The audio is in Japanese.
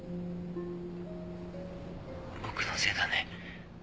☎僕のせいだね。